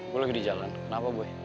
gue lagi di jalan kenapa boy